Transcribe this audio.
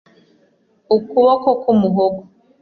ukuboko ku muhogo.